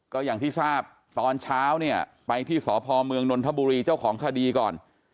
ก็อย่างที่ทราบตอนเช้าเนี่ยไปที่สพเมืองนนทบุรีเจ้าของคดีก่อน